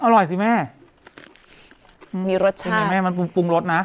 อร่อยสิแม่มีรสชาติใช่ไหมแม่มันปรุงปรุงรสนะ